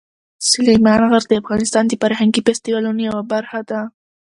سلیمان غر د افغانستان د فرهنګي فستیوالونو یوه برخه ده.